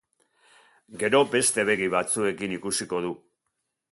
Gero beste begi batzuekin ikusiko du.